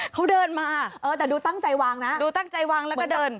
เขาเดินมาเออแต่ดูตั้งใจวางนะดูตั้งใจวางแล้วก็เดิน